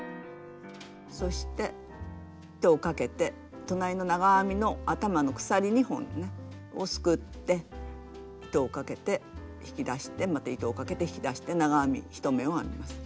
そして糸をかけて隣の長編みの頭の鎖２本をねすくって糸をかけて引き出してまた糸をかけて引き出して長編み１目を編みます。